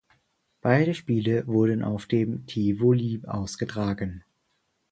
Beide Spiele wurden auf dem Tivoli ausgetragen.